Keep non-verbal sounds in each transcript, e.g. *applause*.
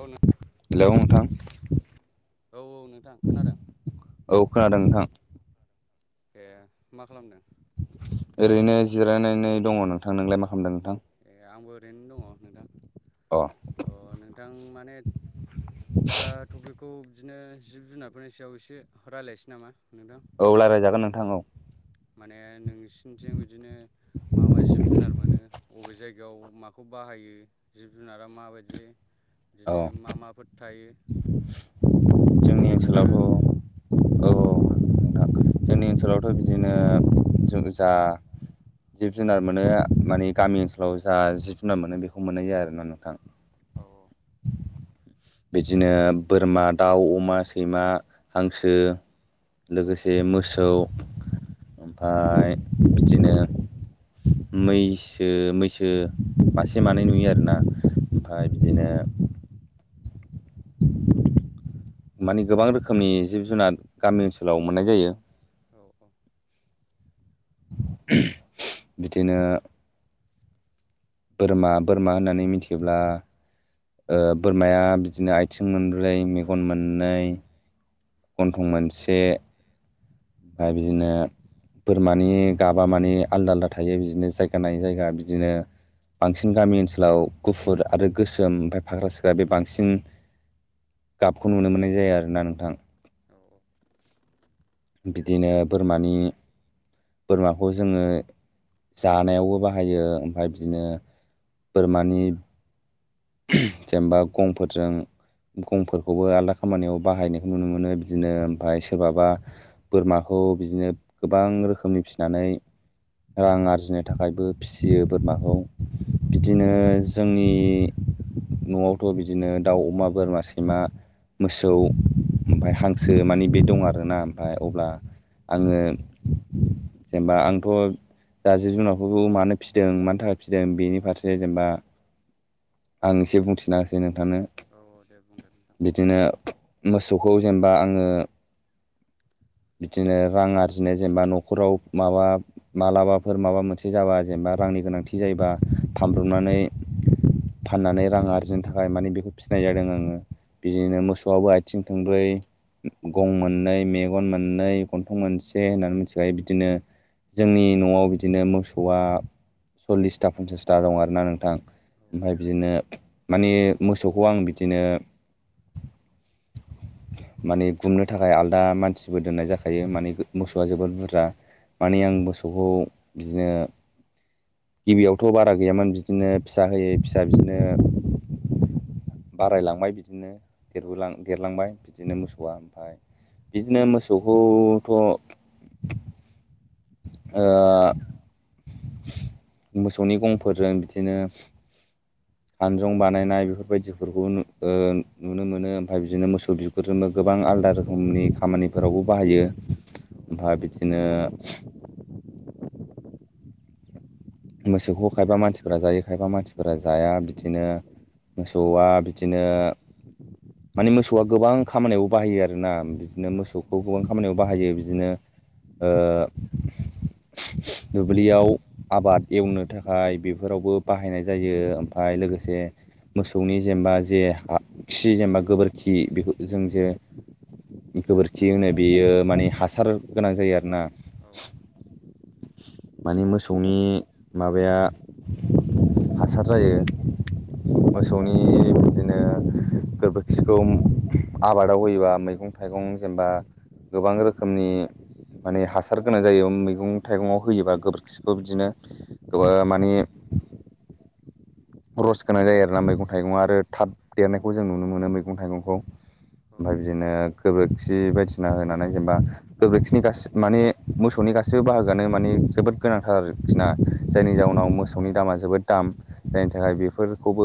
औ नों हेलौ नोंथां औ नोंथां खोनादों औ खोनादों नोंथां ए मा खालामदों? ओरैनो जिरायनानै दङ नोंथां नोंलाय मा खालामदों नोंथां? ए आंबो ओरैनो दङ नोंथां। अ अ नोंथां माने दा टपिकखौ बिदिनो जिब जुनारफोरनि सायाव एसे रायलायनोसै नामा नोंथां औ रायलाय जागोन नोंथां औ माने नोंसिनिथिं बिदिनो मा-मा जिब जुनार मोनो अबे जायगायाव बेयाव माखौ बाहायो जिब जुनारा माबायदि बिदिनो औ मा माफोर थायो जोंनि एसे खोन्थानो ओनसोलावथ' औ जोंनि ओनसोलावथ' बिदिनो जा जिब जुनार मोनो माने गामि ओनसोलाव जा जिब जुनार मोनो बेखौ बेखौ मोननाय जाया आरोना नोंथां औ बिदिनो बोरमा दाउ अमा सैमा हांसो लोगोसे मोसौ ओमफ्राय बिदिनो मैसो मैसो मासे मानै नुयो आरोना ओमफ्राय बिदिनो *inaudible* माने गोबां रोखोमनि जिब जुनार गामि ओनसोलाव मोननाय जायो *inaudible* बिदिनो बोरमा बोरमा होननानै मिथियोब्ला ओ बोरमाया बिदिनो आथिं मोनब्रै मेगन मोननै गन्थं मोनसे ओ औ बिदिनो बोरमानि गाबा मानि आलदा आलदा थायो बिदिनो जायगा नायै जायगा बिदिनो बांसिन गामि ओनसोलाव गुफुर आरो गोसोम ओमफ्राय फाख्रा सिख्रा बे बांसिन गाबखौ नुनो मोननाय जायो आरोना नोंथां बिदिनो बोरमानि बोरमाखौ जोङो जानायावबो बाहायो ओमफ्राय बिदिनो बोरमानि जेनेबा गंफोरजों गंफोरखौबो आलदा खामानियाव बाहायनायखौ नुनो मोनो बिदिनो ओमफ्राय सोरबाबा बोरमाखौ बिदिनो गोबां रोखोमनि फिसिनानै रां आरजिनो थाखायबो फिसियो बोरमाखौ बिदिनो जोंनि न'आवथ' बिदिनो दाउ अमा बोरमा सैमा मोसौ ओमफ्राय हांसो माने बे दं आरोना ओमफ्राय औ अब्ला आङो जेनेबा आंथ' दा जिब जुनार मानो फिसिदों मानि थाखाय फिदों बेनि फारसे जेनेबा आं एसे बुंथिना होसै नों थांनो औ दे बुंदो नोंथां बिदिनो मोसौखौ जेनेबा आङो *inaudible* बिदिनो रां आरजिनाय जेनेबा न'खराव माबा मालाबाफोर माबा मोनसे जाबा जेनेबा रां -नि गोनांथि जायोबा फानब्रबनानै फाननानै रां आरजिनो थाखाय माने बेखौ फिसिनाय जादों आङो औ बिदिनो औ मोसौआबो आथिं थोंब्रै गं मोननै मेगन मोननै गन्थं मोनसे होननानै मिथि खायो बिदिनो जोंनि न'आव बिदिनो मोसौआ औ सल्लिसथा पनसासथा दं आरोना नोंथां ओमफ्राय बिदिनो माने मोसौखौ आं बिदिनो माने गुमनो थाखाय आल दा मानसिबो दोननाय जाखायो माने मोसौआ जोबोद बुरजा माने आं मोसौखौ बिदिनो गिबियावथ' बारा गैयामोन बिदिनो फिसा होयै फिसा बिदिनो बारायलांबाय बिदिनो देरबो देरलांबाय बिदिनो मोसौआ ओमफ्राय बिदिनो मोसौखौथ' ओ मोसौनि गंफोरजों बिदिनो खानजं बानायनाय बेफोरबायदिफोरखौ नुनो मोनो ओमफ्राय बिदिनो मोसौ बिगुजोंबो गोबां बां आलदा रोखोमनि खामानिफोरावबो बाहायो ओमफ्राय बिदिनो *inaudible* मोसौखौ खायबा मानसिफोरा जायो खायबा मानसिफोरा जाया बिदिनो मोसौआ बिदिनो माने मोसौआ गोबां खामानियावबो बाहायो आरोना बिदिनो मोसौखौ गोबां खामानियाव बाहायो बिदिनो ओ दुब्लियाव आबाद एवनो थाखाय बेफोरावबो बाहायनाय जायो ओमफ्राय लोगोसे मोसौनि जेनेबा जे खि जेनेबा गोबोरखि बे जों जे गोबोरखि होनो बेयो माने हासार गोनां जायो आरोना। माने मोसौनि माबाया हासार जायो। मोसौनि बिदिनो गोबोरखिखौ आबादाव होयोबा मैगं थाइगं जेनबा गोबां रोखोमनि माने हासार गोनां जायो मैगं थाइगंआव होयोबा गोबोरखिखौ बिदिनो गोबां माने रस गोनां जायो आरोना मैगं थाइगंङा आरो थाब देरनायखौ जों नुनो मोनो मैगं थाइगंखौठ ओमफ्राय बिदिनो गोबोरखि बायदिसिना होनानै जेनबा गोबोरखिनि गासै माने मोसौनि गासैबो बाहागोआनो माने जोबोद गोनांथार आरोखिना। जायनि जाउनाव मोसौनि दामा जोबोद दाम जायनि थाखाय बेफोरखौबो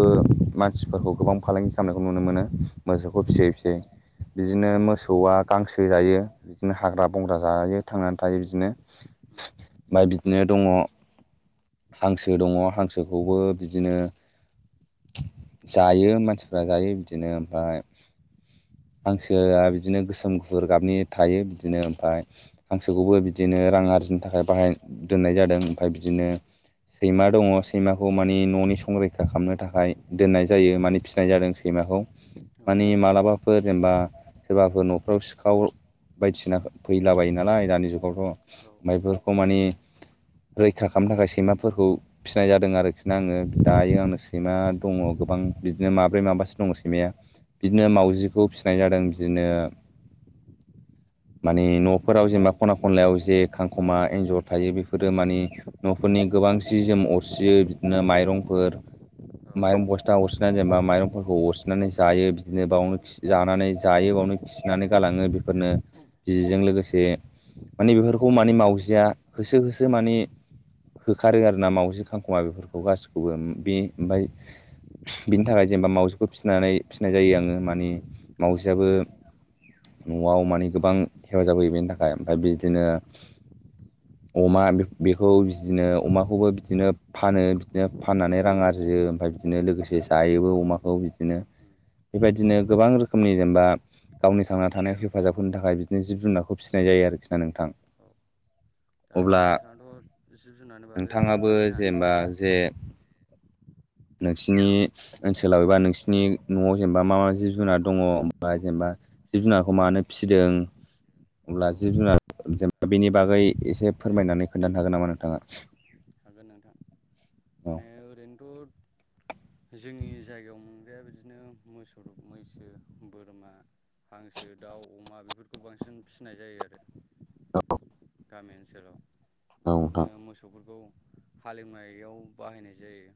मानसिफोरखौ गोबां फा लांगि खालामनायखौ नुनो मोनो मोसौखौ फिसियै फिसियै। बिदिनो मोसौआ गांसो जायो बिदिनो हाग्रा बंग्रा जायो थांनानै थायो बिदिनो। ओमफ्राय बिदिनो दङ हांसो दङ हांसोखौबो बिदिनो जायो मानसिफ्रा जायो बिदिनो ओमफ्राय हांसोआ बिदिनो गोसोम, गुफुर गाबनि थायो बिदिनो ओमफ्राय हांसोखौबो बिदिनो राङारि नि थाखाय बाहाय दोननाय जादों ओमफ्राय बिदिनो सैमा दङ सैमाखौ माने न'नि संरैखा खालामनो थाखाय दोननाय जायो माने फिसिनाय जादों सैमाखौ। माने मालाबाफोर जेनेबा सोरबाफोर न'फ्राव सिखाव बायदिसिना फैला बायो नालाय दानि जुग गाव थ' न'फोरखौ माने रैखा खालामनो थाखाय सैमाफोरखौ फिसिनाय जादों आरोखि ना आङो। दायो आंनो सैमा दङ गोबां बिदिनो माब्रै माबासो दङ सैमाया। बिदिनो मावउजिखौ फिसिनाय जादों बिदिनो माने न'फोराव जेनेबा ख'ना ख'नलायाव जे खांख'मा एन्जर थायो बेफोरो माने फोरनि गोबां जि जोम अरसियो बिदिनो माइरंफोर। माइरं बस्था अरसिनानै जेनेबा माइरंफोरखौ अरसिनानै जायो बिदिनो बावनो जानानै जायोबो। खिनानै गालाङो बेफोरनो बिदिजों लोगोसे माने बेफोरखौ माने मावजिया होसो होसो माने होखारो आरो ना मावाउजि खांख'मा बेफोरखौ गासिखौबो बे ओमफ्राय बिनि थाखाय जेनेबा मावासिखौ फिसिनानै फिसिनाय जायो आङो माने मावसिआबो न'आव माने गोबां हेफाजाब होयो बेनि थाखाय ओमफ्राय बिदिनो अमा बेखौ बिदिनो अमाखौबो बिदिनो फानो बिदिनो फाननानै रां आरजियो ओमफ्राय बिदिनो लोगोसे जायोबो। अमाखौ बिदिनो उम बेबायदिनो गोबां रोखोमनि जेनेबा गावनि थांना थानायाव हेफाजाब होनो थाखाय बिदिनो जिब जुनारखौ फिसिनाय जायो आरोखि ना नोंथां। औ उम औ दा अब्ला नोंथाङाथ' जुनारनि बागै नोंथाङाबो खोन्थाबायना जेनेबा जे नोंसिनि ओनसोलाव एबा नोंसिनि न'आव जेनेबा मा मा जिब जुनार दङ जेनेबा जिब जुनारखौ मानो फिसिदों अब्ला औ औ जिब जुनार जेनेबा बेनि बागै एसे फोरमायनानै खोन्थानो हागोन नामा नोंथाङा? हागोन नोंथां औ माने ओरैनोथ' जोंनि जायगायाव मोनग्राया बिदिनो मोसौ, मैसो, बोरमा हांसो, दाउ, अमा बेफोरखौ बांसिन फिसिनाय जायो आरो। औ। गामि ओनसोलाव। बिदिनो नोंथां मोसौफोरखौ हालेवनायाव बाहायनाय जायो।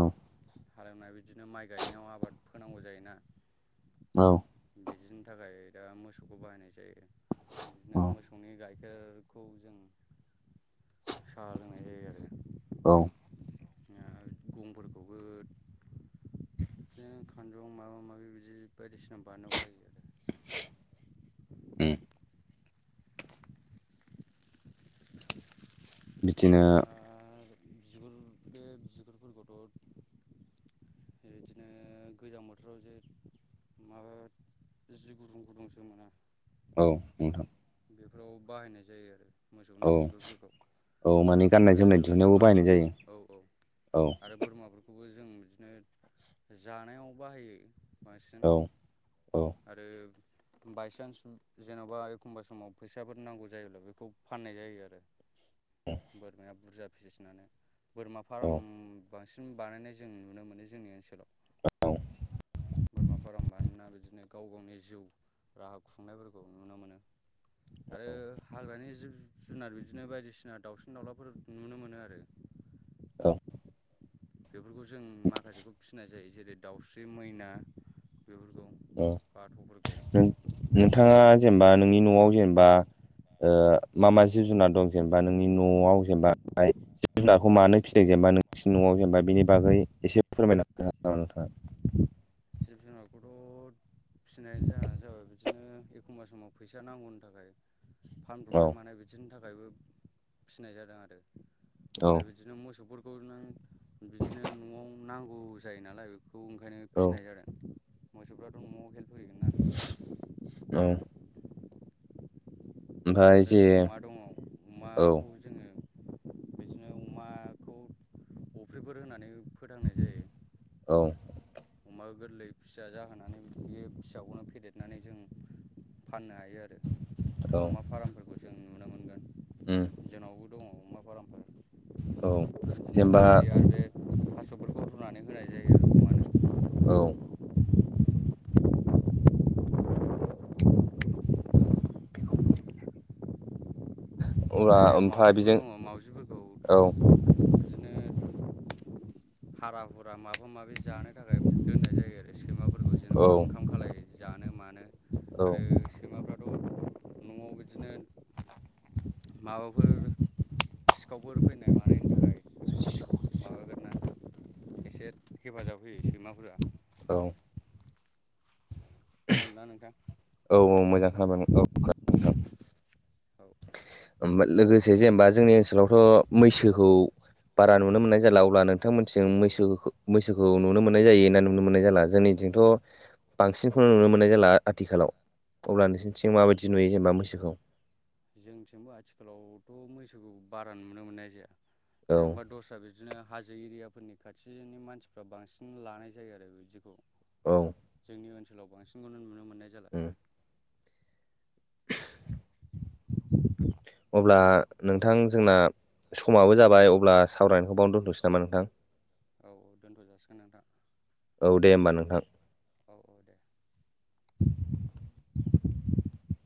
औ। हालेवनाय बिदिनो माइ गायनायाव आबाद फोनांगौ जायोना औ। बिदिनि थाखाय दा मोसौखौ बाहायनाय जायो। बिदिनो औ मोसौनि गाइ खेरखौ जों साहा लोंनाय जायो आरो। उम गंफोरखौबो बिदिनो खानजं माबा माबि बिदि बायदिसिना बानायला बायो आरो। उम। बिदिनो आरो *unintelligible* बिगुरफोरखौथ' बिदिनो गोजां बोथोराव जे माबा जि गुदुं गुदुं जोमोना? औ नोंथां। बेफोराव बाहायनाय जायो आरो। मोसौनि औ बिगुरफोरखौ। औ माने गाननाय आरो जोमनाय दिहुननायावबो बोरमा बाहायनाय जायो औ औ। औ आरो बोरमाफोरखौबो जों बिदिनो जानायाव बाहायो बांसिन औ आरो बायसान्स जेन'बा एखमबा समाव फैसाफोर नांगौ जायोब्ला बेखौ फाननाय जायो आरो। औ बोरमाया बुरजा फिसिनानै बोरमा फार्म औ बांसिन बानायनाय जों नुनो मोनो जोंनि ओनसोलाव। औ। बोरमा फार्म बानायना बिदिनो गाव गावनि जिउ राहा खुंनायफोरखौ नुनो मोनो। आरो हाग्रानि जिब जुनार बिदिनो बायदिसिना दावसिन दाउलाफोर नुनो मोनो आरो। औ। बेफोरखौ जों माखासेखौ फिसिनाय जायो जेरै दाउस्रि, मैना बेफोरखौ ओ बाथ'फोरखौ नोंथाङा जेनेबा नोंनि न'आव जेनेबा ओ मा मा जिब जुनार दं जेनेबा नोंनि न'आव जेनेबा जिब जुनारखौ मानो फिसिदों जेने बा नोंसिनि न'आव जेनेबा बिनि बागै एसे फोरमायना होनो हागोन नामा नोंथाङा? जिब जुनारखौथ' फिसिनायनि जाहोनानो जाबाय बिदिनो एखमबा समाव फैसा नांगौनि थाखाय फानब्रबनाय नोंथाङा मानाय बिदिनि थाखायबो फिनाय जादों आरो। औ औ आरो बिदिनो मोसौफोरखौ *unintelligible* बिदिनो न'आव नांगौ जायो नालाय बेखौ ओंखायनो फिसिनाय जादों। मोसौफ्राथ' न'आव हेल्प होगोन ना औ। ओमफ्राय आरो जे अमा दङ औ अमाखौ जोङो बिदिनो अमाखौ अफ्रिफोर होनानै फोथांनाय जायो। औ अमा गोरलै फिसा जाहोनानै बे फिसाखौनो फेदेरनानै जों फाननो हायो आरो। औ अमा फार्मफोरखौ जों नुनो मोनगोन उम जोंनावबो दङ। अमा फार्मफोर औ बिदिनो जेनेबा अफ्रि आरो बे थास'फोरखौ रुनानै होनाय जायो आरो अमानो औ अब्ला ओमफ्राय मावाउजिबो बेजों दङ मावाउजिफोरखौ औ बिदिनो हारा हुरा मा माबा माबि जानो थाखाय दोननाय जायो आरो सैमाफोरखौ औ जेन'बा ओंखाम खालाय जानो मानो औ आरो सैमाफ्राथ' न'आव बिदिनो माबाफोर सिखावफोर फैनाय मानायनि थाखाय माबा एसे हेफाजाब होयो सैमाफोरा औ खोनादोंना नोंथां? औ औ मोजां *unintelligible* औ ओ लोगोसे जेनेबा जोंनि ओनसोलावथ' मैसोखौ बारा नुनो मोननाय जाला अब्ला नोंथांमोनसिजों औ मैसो मैसोखौ नुनो मोननाय जायो ना नुनो मोननाय जाला जोंनि जोंथ' बांसिनखौनो नुनो मोननाय जाला आथिखालाव अब्ला नोंसोरनिथिं आरो माबायदि नुयो जेनेबा मैसोखौ जोंथिंबो आथिखालावथ' मैसोखौ बारा नुनो मोननाय जाया औ जेन'बा दस्रा बिदिनो हाजो एरिया फोरनि खाथिनि मानसिफ्रा बांसिन लानाय जायो आरो बिदिखौ औ जोंनि ओनसोलाव बांसिनखौ नुनो मोननाय जाला उम अब्ला नोंथां जोंना समाबो जाबाय अब्ला सावरायनायखौ बावनो दोन्थ'सै नामा नोंथां औ औ दोनथ' जासिगोन नोंथां औ दे होमबा नोंथां औ औ दे। *inaudible*